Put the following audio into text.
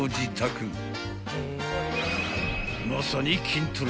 ［まさに筋トレ］